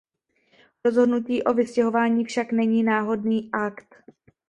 Rozhodnutí o vystěhování však není náhodný akt.